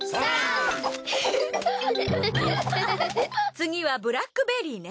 次はブラックベリーね。